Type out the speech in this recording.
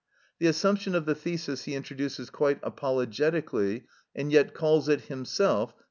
The assumption of the thesis he introduces quite apologetically, and yet calls it himself (p.